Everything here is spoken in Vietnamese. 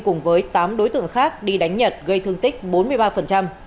cùng với tám đối tượng khác đi đánh nhật gây thương tích bốn mươi ba